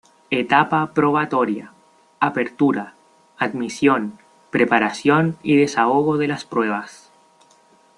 Etapa probatoria; apertura, admisión, preparación y desahogo de las pruebas.